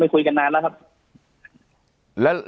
คุยกันนานแล้วครับ